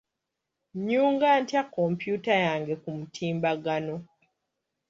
Nnyunga ntya kompyuta yange ku mutimbagano?